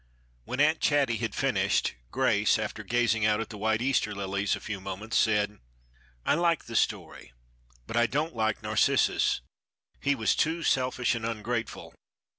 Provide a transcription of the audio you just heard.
When Aunt Chatty had finished, Grace, after gazing out at the white Easter lilies a few moments, said: "I like the story, but I don't like Narcissus. He was too selfish and ungrateful.